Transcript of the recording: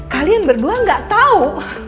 kalian berdua gak tahu